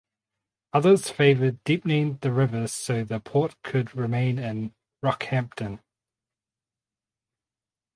Others favoured deeping the river so that the port could remain in Rockhampton.